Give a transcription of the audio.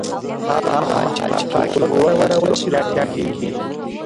هغه مهال چې پاکې اوبه وکارول شي، روغتیا ټینګېږي.